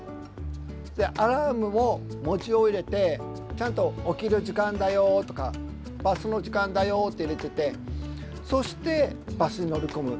アラームも文字を入れてちゃんと「起きる時間だよ」とか「バスの時間だよ」って入れててそしてバスに乗り込む。